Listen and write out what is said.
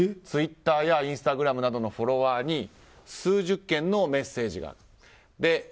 ツイッターやインスタグラムなどのフォロワーに数十件のメッセージが。